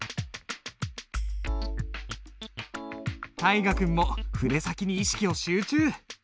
大河君も筆先に意識を集中！